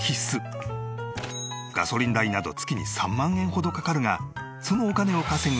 ガソリン代など月に３万円ほどかかるがそのお金を稼ぐ